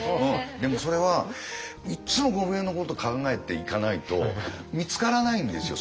でもそれはいっつもゴムヘビのこと考えていかないと見つからないんですよ